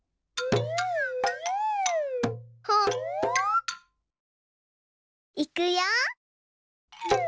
ほっいくよ！